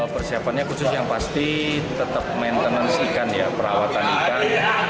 persiapannya khusus yang pasti tetap maintenance ikan ya perawatan ikan